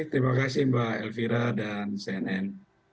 terima kasih mbak elvira dan cnn